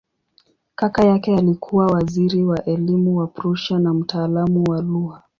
Kaka yake alikuwa waziri wa elimu wa Prussia na mtaalamu wa lugha.